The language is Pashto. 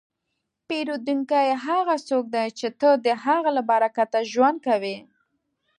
پیرودونکی هغه څوک دی چې ته د هغه له برکته ژوند کوې.